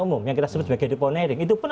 umum yang kita sebut sebagai deponering itu pun